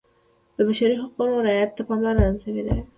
د بشري حقونو رعایت ته پاملرنه شوې ده.